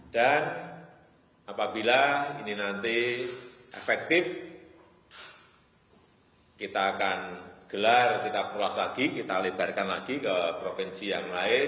dan apabila ini nanti efektif kita akan gelar kita perlas lagi kita lebarkan lagi ke provinsi yang lain